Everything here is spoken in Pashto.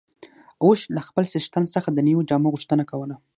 اوښ له خپل څښتن څخه د نويو جامو غوښتنه کوله.